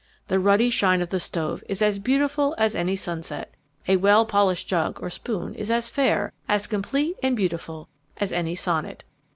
The ruddy shine of the stove is as beautiful as any sunset. A well polished jug or spoon is as fair, as complete and beautiful, as any sonnet.